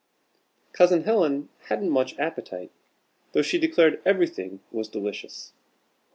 Cousin Helen hadn't much appetite, though she declared everything was delicious.